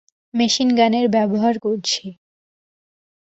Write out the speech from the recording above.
Machine গানের ব্যবহার করছি।